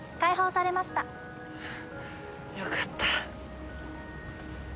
よかった。